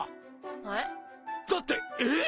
へっ？だってええっ！？